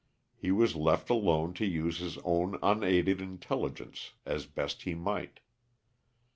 He was left alone to use his own unaided intelligence as best he might.